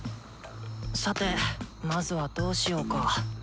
さてまずはどうしようか。